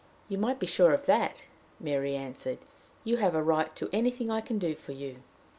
"You might be sure of that," Mary answered. "You have a right to anything I can do for you."